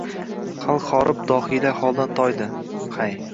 Xalq horib, dohiylar holdan toydi hay